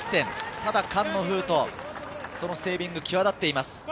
ただ菅野颯人、そのセービング、際立っています。